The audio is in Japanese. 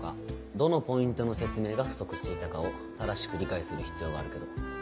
どのポイントの説明が不足していたかを正しく理解する必要があるけど。